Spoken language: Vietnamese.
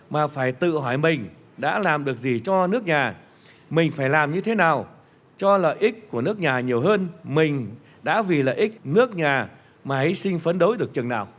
mà phải tự hỏi mình đã làm được gì cho nước nhà mình phải làm như thế nào cho lợi ích của nước nhà nhiều hơn mình đã vì lợi ích nước nhà mà hy sinh phấn đấu được chừng nào